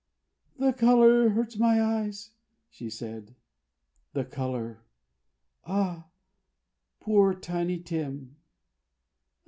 "The color hurts my eyes," she said. The color? Ah, poor Tiny Tim!